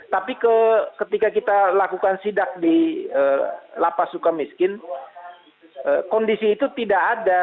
tapi ke ketika kita lakukan sidak di ee lapas sukamiski kondisi itu tidak ada